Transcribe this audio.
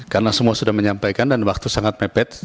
karena semua sudah menyampaikan dan waktu sangat mepet